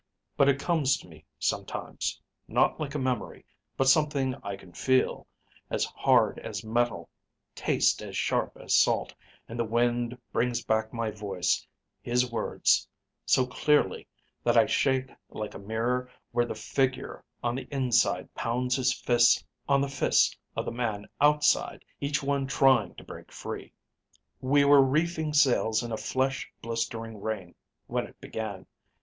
But it comes to me, sometimes, not like a memory, but something I can feel, as hard as metal, taste as sharp as salt, and the wind brings back my voice, his words, so clearly that I shake like a mirror where the figure on the inside pounds his fists on the fists of the man outside, each one trying to break free. "We were reefing sails in a flesh blistering rain, when it began.